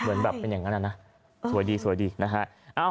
เหมือนแบบเป็นอ๋อสวยดีสวยดีนะคะเอ้า